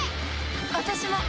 私も！